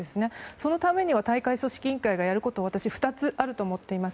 そのために大会組織委員会がやることは私は２つあると思っています。